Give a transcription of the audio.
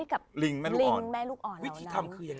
วิธีทำคือยังไง